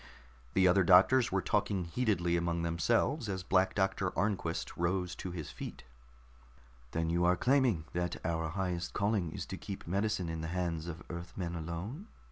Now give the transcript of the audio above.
The other doctors were talking heatedly among themselves as Black Doctor Arnquist rose to his feet. "Then you are claiming that our highest calling is to keep medicine in the hands of Earthmen alone?"